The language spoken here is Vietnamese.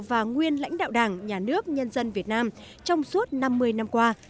và nguyên lãnh đạo đảng nhà nước nhân dân việt nam trong suốt năm mươi năm qua